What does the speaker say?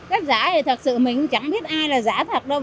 cách giả thì thật sự mình chẳng biết ai là giả thật đâu